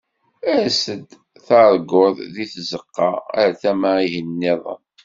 Ers-d, terǧuḍ di tzeqqa ar tama-ihin-nniḍen.